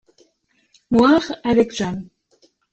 Noir avec jaune.